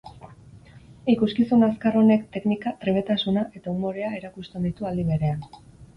Ikuskizun azkar honek teknika, trebetasuna eta umorea erakusten ditu aldi berean.